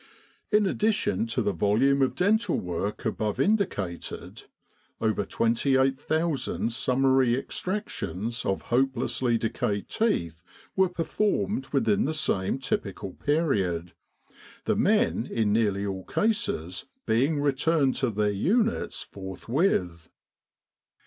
In addition to the volume of dental work above indicated, over 28,000 summary extractions of hopelessly decayed teeth were performed within the same typical period, the men in nearly all cases being returned to their units forth with.